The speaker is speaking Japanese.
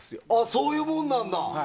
そういうもんなんだ。